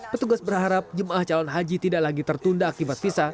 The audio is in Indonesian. petugas berharap jemaah calon haji tidak lagi tertunda akibat visa